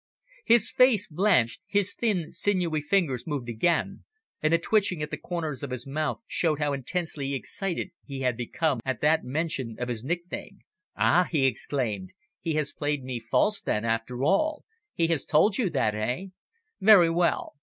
His face blanched, his thin, sinewy fingers moved again, and the twitching at the corners of his mouth showed how intensely excited he had become at that mention of his nickname. "Ah!" he exclaimed. "He has played me false, then, after all he has told you that eh? Very well!"